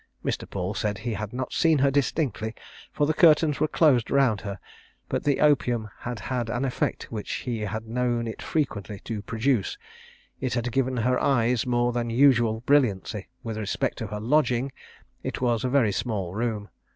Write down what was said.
Mr. Paul said he had not seen her distinctly, for the curtains were closed round her; but the opium had had an effect which he had known it frequently to produce: it had given her eyes more than usual brilliancy: with respect to her lodging, it was a very small room.